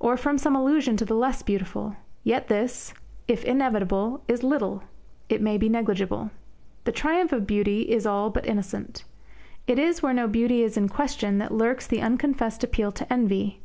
Or from some allusion to the less beautiful? Yet this, if inevitable, is little; it may be negligible. The triumph of beauty is all but innocent. It is where no beauty is in question that lurks the unconfessed appeal to envy.